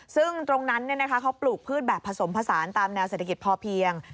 ซึ่งตรงนั้นเขาปลูกพืชแบบผสมผสานตามแนวเศรษฐกิจพอเพียง